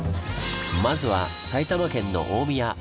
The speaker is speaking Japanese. まずは埼玉県の大宮！